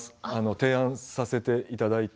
提案させていただいて。